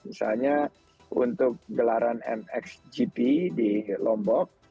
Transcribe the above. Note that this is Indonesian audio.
misalnya untuk gelaran mxgp di lombok